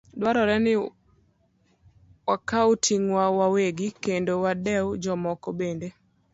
Dwarore ni wakaw ting'wa wawegi, kendo wadew jomoko bende.